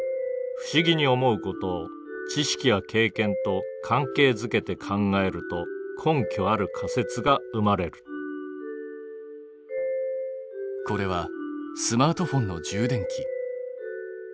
不思議に思うことを知識や経験と関係づけて考えると根拠ある仮説が生まれるこれはスマートフォンの充電器。